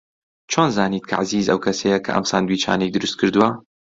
چۆن زانیت کە عەزیز ئەو کەسەیە کە ئەم ساندویچانەی دروست کردووە؟